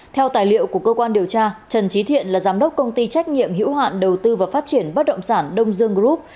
theo tài liệu của cơ quan điều tra trần trí thiện là giám đốc công ty trách nhiệm hữu hạn đầu tư và phát triển bất động sản đông dương group